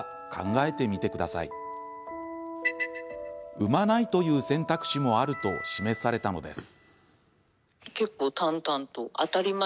産まないという選択肢もあると示されたのです。